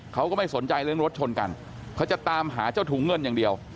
เขาก็ไม่สนใจเรื่องรถชนกันเขาจะตามหาเจ้าถุงเงินอย่างเดียว